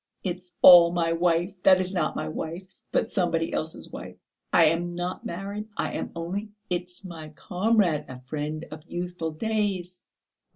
"It's all my wife that is not my wife, but somebody else's wife. I am not married, I am only.... It's my comrade, a friend of youthful days."